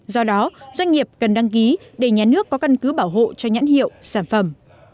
do đó doanh nghiệp cần đăng ký để nhà nước có căn cứ bảo hộ cho nhãn hiệu sản phẩm